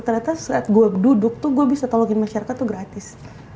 ternyata saat gue duduk tuh gue bisa tolongin masyarakat tuh gratis